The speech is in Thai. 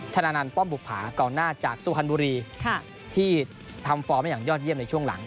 ชะนานานป้อมบุกผากล่องหน้าจากสุฮันบุรีที่ทำฟอร์มอย่างยอดเยี่ยมในช่วงหลัง